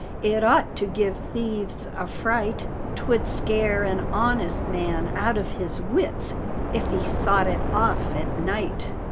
It ought to give thieves a fright 'Twould scare an honest man out of his wits, ef he sot it off at night.